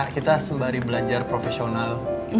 kita sembari belajar profesional